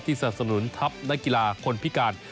สนับสนุนทัพนักกีฬาคนพิการ